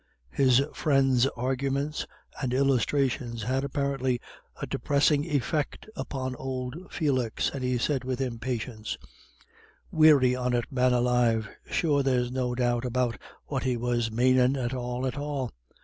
His friends' arguments and illustrations had apparently a depressing effect upon old Felix, and he said with impatience, "Weary on it, man alive! Sure there's no doubt about what he was manin', at all at all.